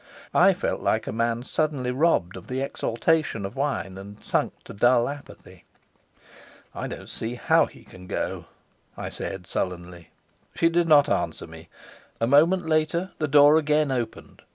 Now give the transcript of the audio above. I felt like a man suddenly robbed of the exaltation of wine and sunk to dull apathy. "I don't see how he can go," I said sullenly. She did not answer me. A moment later the door again opened.